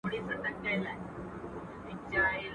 نه په منځ كي خياطان وه نه ټوكران وه.